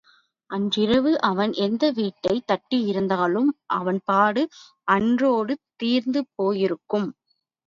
அன்றிரவு அவன் எந்த வீட்டைத் தட்டியிருந்தாலும், அவன்பாடு அன்றோடு தீர்ந்து போயிருக்கும்.